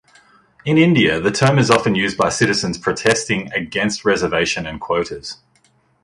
In India, the term is often used by citizens protesting against reservation and quotas.